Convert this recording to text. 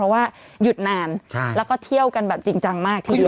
เพราะว่าหยุดนานแล้วก็เที่ยวกันแบบจริงจังมากทีเดียว